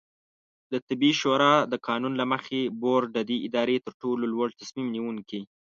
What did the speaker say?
دطبي شورا د قانون له مخې، بورډ د دې ادارې ترټولو لوړتصمیم نیونکې